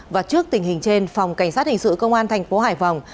và trước tình hình trên phòng cảnh sát hình sự công an tp hải phòng